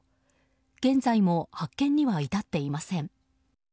現在も発見には至っていません。